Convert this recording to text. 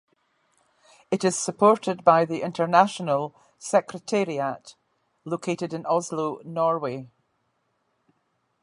It is supported by the international secretariat, located in Oslo, Norway.